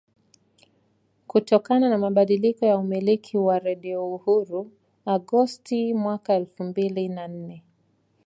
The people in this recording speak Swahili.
Kutokana na mabadiliko ya umiliki wa Radio Uhuru Agosti mwaka elfu mbili na nne